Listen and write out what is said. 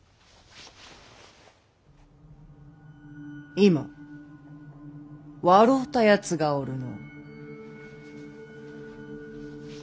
今笑うたやつがおるの。